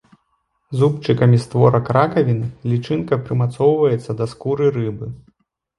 Зубчыкамі створак ракавіны лічынка прымацоўваецца да скуры рыбы.